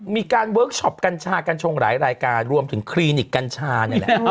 เวิร์คชอปกัญชากัญชงหลายรายการรวมถึงคลินิกกัญชานี่แหละ